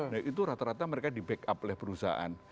nah itu rata rata mereka di backup oleh perusahaan